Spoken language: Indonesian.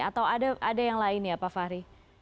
atau ada yang lain ya pak fahri